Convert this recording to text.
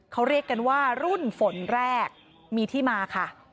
เขาเรียกกันว่ารุ่นฝนแรกมีที่มาค่ะ